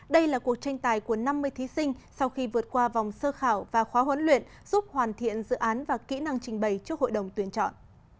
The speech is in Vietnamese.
đây là cuộc tranh tài của năm mươi thí sinh sau khi vượt qua vòng sơ khảo và khóa huấn luyện giúp hoàn thiện dự án và kỹ năng trình bày trước hội đồng tuyên chọn